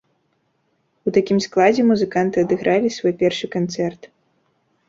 У такім складзе музыканты адыгралі свой першы канцэрт.